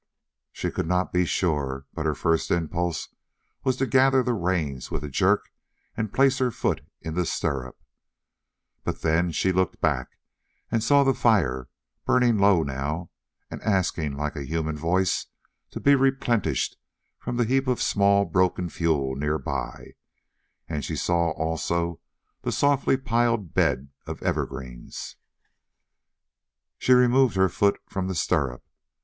She could not be sure, but her first impulse was to gather the reins with a jerk and place her foot in the stirrup; but then she looked back and saw the fire, burning low now and asking like a human voice to be replenished from the heap of small, broken fuel nearby; and she saw also the softly piled bed of evergreens. She removed her foot from the stirrup.